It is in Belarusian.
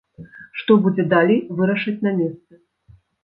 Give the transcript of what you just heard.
Што будзе далей, вырашаць на месцы.